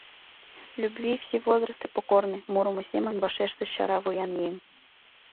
— Любви все возрасты покорны, — мурымо семын вашештыш чара вуян еҥ.